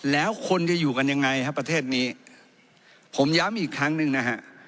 แล้วคนจะอยู่กันยังไงครับประเทศนี้ผมย้ำอีกครั้งหนึ่งนะฮะ